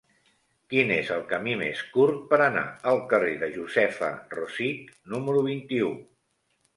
Quin és el camí més curt per anar al carrer de Josefa Rosich número vint-i-u?